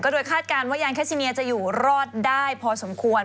โดยคาดการณ์ว่ายานแคซิเมียจะอยู่รอดได้พอสมควร